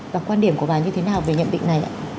và quan điểm của bà như thế nào về nhận định này ạ